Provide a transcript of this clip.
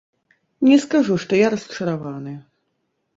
Не скажу, што я расчараваны.